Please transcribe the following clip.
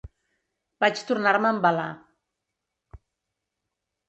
Vaig tornar-me a embalar.